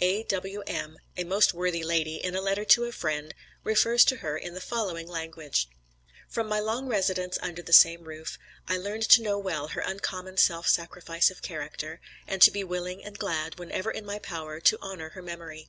A.W.M. a most worthy lady, in a letter to a friend, refers to her in the following language: "From my long residence under the same roof, I learned to know well her uncommon self sacrifice of character, and to be willing and glad, whenever in my power, to honor her memory.